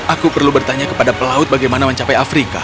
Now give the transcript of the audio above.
aku perlu bertanya kepada pelaut bagaimana mencapai afrika